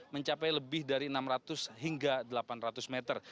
mencapai lebih dari enam ratus hingga delapan ratus meter